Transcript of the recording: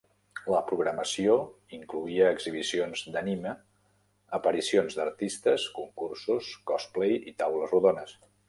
La programació incloïa exhibicions d'anime, aparicions d'artistes, concursos, cosplay i taules rodones.